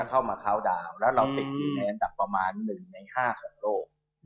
แล้วเราติดอยู่ในอันดับประมาณ๑ใน๕ของโลก